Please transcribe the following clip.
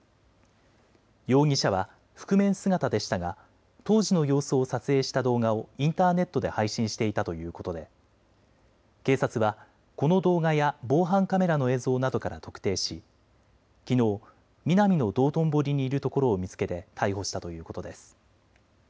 容疑者は覆面姿でしたが当時の様子を撮影した動画をインターネットで配信していたということで警察はこの動画や防犯カメラの映像などから特定しきのう、ミナミの道頓堀にいるところを見つけて逮捕したということです。